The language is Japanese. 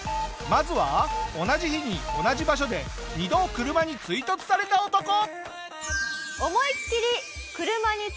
まずは同じ日に同じ場所で２度車に追突された男。